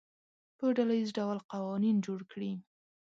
په ډله ییز ډول قوانین جوړ کړي.